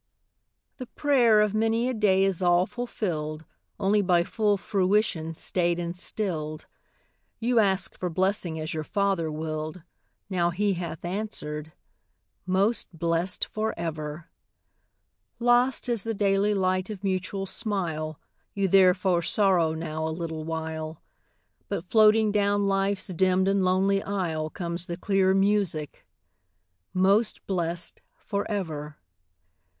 _) The prayer of many a day is all fulfilled, Only by full fruition stayed and stilled; You asked for blessing as your Father willed, Now He hath answered: 'Most blessed for ever!' Lost is the daily light of mutual smile, You therefore sorrow now a little while; But floating down life's dimmed and lonely aisle Comes the clear music: 'Most blessed for ever!'